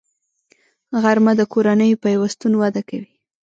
غرمه د کورنیو پیوستون وده کوي